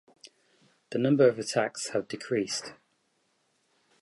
The number of attacks have decreased.